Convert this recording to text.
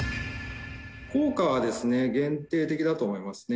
効果は限定的だと思いますね。